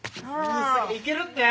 いけるって。